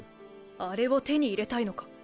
あれを手に入れたいのか？